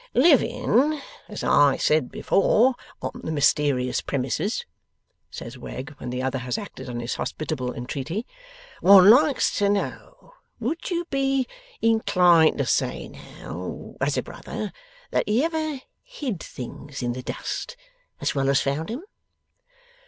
'Living (as I said before) on the mysterious premises,' says Wegg when the other has acted on his hospitable entreaty, 'one likes to know. Would you be inclined to say now as a brother that he ever hid things in the dust, as well as found 'em?